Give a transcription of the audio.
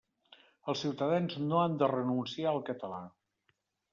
Els ciutadans no han de renunciar al català.